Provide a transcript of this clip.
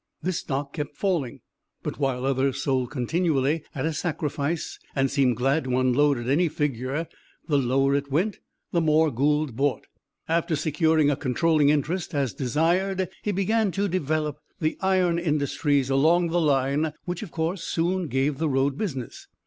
This stock kept falling, but while others sold continually at a sacrifice, and seemed glad to unload at any figure, the lower it went the more Gould bought. After securing a controlling interest as desired, he began to develop the iron industries along the line, which of course soon gave the road business.